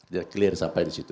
dia clear sampai di situ